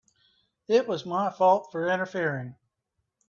It was my fault for interfering.